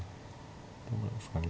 どうなんですかね。